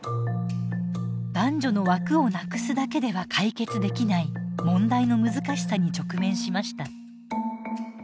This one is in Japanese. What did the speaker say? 男女の枠をなくすだけでは解決できない問題の難しさに直面しました。